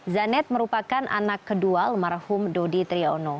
zanett merupakan anak kedua lemarhum dodi triyono